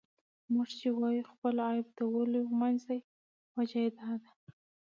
موږ چې وايو خپل عيب د ولیو منځ دی، وجه یې دا ده.